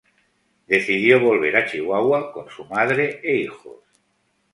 Decidió volver a Chihuahua con su madre e hijos.